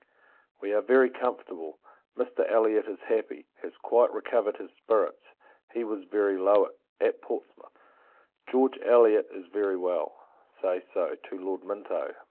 We are very comfortable. Mr. Elliot is happy, has quite recovered his spirits; he was very low, at Portsmouth. George Elliot is very well; say so, to Lord Minto.